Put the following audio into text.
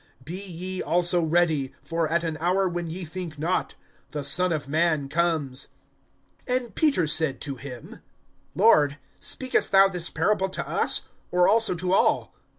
(40)Be ye also ready; for at an hour when ye think not, the Son of man comes. (41)And Peter said to him: Lord, speakest thou this parable to us, or also to all?